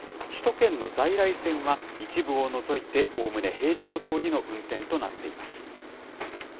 首都圏の在来線は、一部を除いて、おおむね平常どおりの運転となっています。